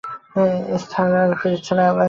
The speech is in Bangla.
এস্থার আর ফিরছে না, অ্যালেন।